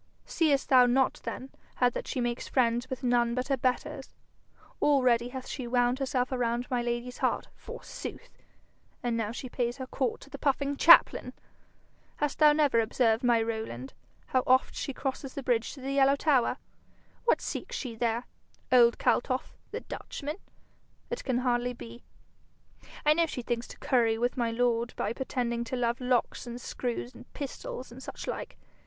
'Seest thou not then how that she makes friends with none but her betters? Already hath she wound herself around my lady's heart, forsooth! and now she pays her court to the puffing chaplain! Hast thou never observed, my Rowland, how oft she crosses the bridge to the yellow tower? What seeks she there? Old Kaltoff, the Dutchman, it can hardly be. I know she thinks to curry with my lord by pretending to love locks and screws and pistols and such like.